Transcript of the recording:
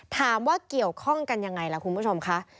ถามว่าเกี่ยวข้องกันยังไงล่ะคุณผู้ชมค่ะ